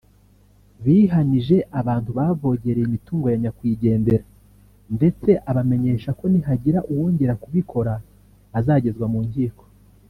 bihanije abantu bavogereye imitungo ya nyakwigendera ndetse abamenyesha ko nihagira uwongera kubikora azagezwa mu nkiko